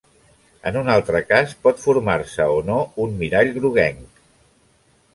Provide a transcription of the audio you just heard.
En un altre cas, pot formar-se o no un mirall groguenc.